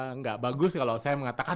nggak bagus kalau saya mengatakan